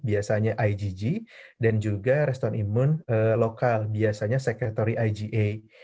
biasanya igg dan juga respon imun lokal biasanya sektory iga